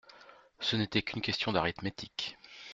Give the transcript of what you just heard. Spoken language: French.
Ce n'était qu'une question d'arithmétique.